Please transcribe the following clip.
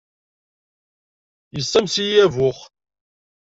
Issames-iyi abux.